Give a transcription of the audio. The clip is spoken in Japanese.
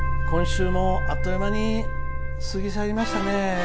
今週もあっという間に過ぎ去りましたね。